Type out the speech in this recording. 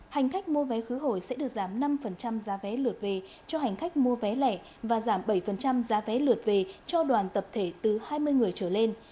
hành khách mua vé khứ hồi sẽ được giảm năm giá vé lượt về cho hành khách mua vé lẻ và giảm bảy giá vé lượt về cho đoàn tập thể từ hai mươi người trở lên